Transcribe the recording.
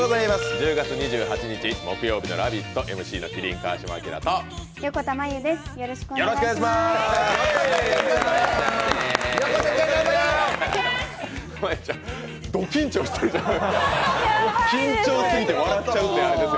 １０月２８日木曜日の「ラヴィット！」、ＭＣの麒麟・川島明と横田真悠です。